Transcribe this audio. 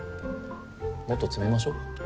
もっと詰めましょう。